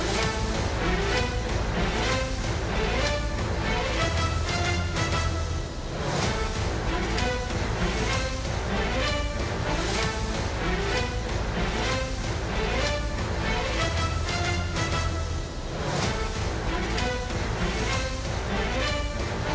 สวัสดีครับ